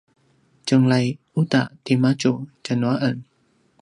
tjengelay uta timadju tjanu a en